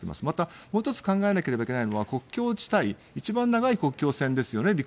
また、もう１つ考えなきゃいけないのは国境地帯一番長い国境線ですよね。